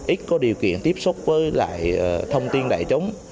ít có điều kiện tiếp xúc với lại thông tin đại chúng